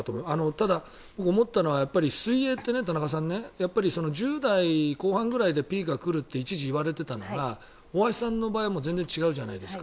ただ、僕、思ったのは水泳って１０代後半ぐらいでピークが来ると一時言われていたのが大橋さんの場合は全然違うじゃないですか。